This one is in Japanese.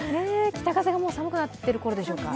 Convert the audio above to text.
北風が寒くなっているころでしょうか。